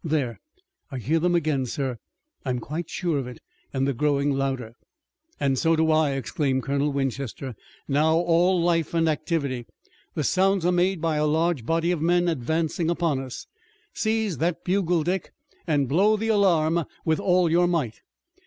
There, I hear them again, sir. I'm quite sure of it, and they're growing louder!" "And so do I!" exclaimed Colonel Winchester, now all life and activity. "The sounds are made by a large body of men advancing upon us! Seize that bugle, Dick, and blow the alarm with all your might!"